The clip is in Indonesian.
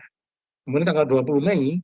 kemudian tanggal dua puluh mei